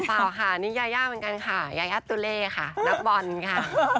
เปล่าค่ะนี่ยายาเหมือนกันค่ะยายาตุเล่ค่ะนักบอลค่ะ